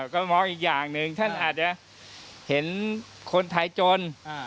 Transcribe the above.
ก็มองอีกอย่างหนึ่งท่านอาจจะเห็นคนไทยจน